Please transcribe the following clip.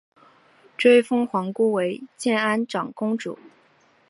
追封皇姑为建安长公主。